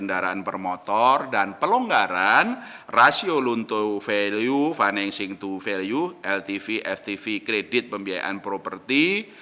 pembiayaan kendaraan per motor dan pelonggaran rasio loan to value financing to value ltv ftv kredit pembiayaan properti